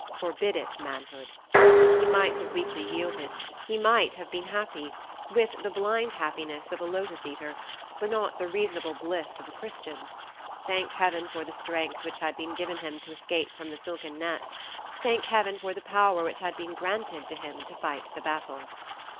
Forbid it, manhood! He might have weakly yielded; he might have been happy, with the blind happiness of a lotus eater, but not the reasonable bliss of a Christian. Thank Heaven for the strength which had been given him to escape from the silken net! Thank Heaven for the power which had been granted to him to fight the battle!